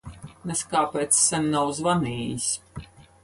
Nez kāpēc sen nav zvanījis.